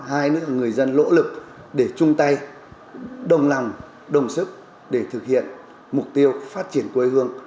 hai nước là người dân lỗ lực để chung tay đồng lòng đồng sức để thực hiện mục tiêu phát triển quê hương